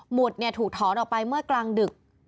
หมุดเนี่ยถูกถอนออกไปเมื่อกลางดึก